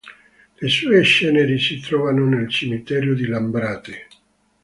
Le sue ceneri si trovano nel cimitero di Lambrate.